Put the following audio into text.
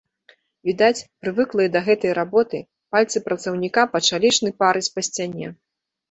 Відаць, прывыклыя да гэтай работы, пальцы працаўніка пачалі шныпарыць па сцяне.